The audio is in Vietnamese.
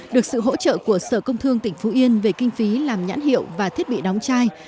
được sự hỗ trợ của sở công thương tỉnh phú yên về kinh phí làm nhãn hiệu và thiết bị đóng chai